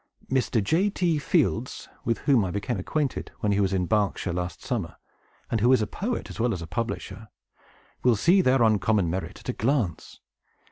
Mr. J.T. Fields (with whom I became acquainted when he was in Berkshire, last summer, and who is a poet, as well as a publisher) will see their uncommon merit at a glance.